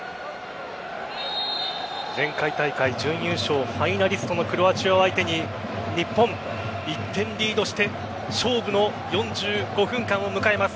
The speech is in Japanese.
前回大会準優勝ファイナリストのクロアチアを相手に日本、１点リードして勝負の４５分間を迎えます。